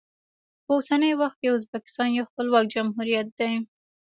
په اوسني وخت کې ازبکستان یو خپلواک جمهوریت دی.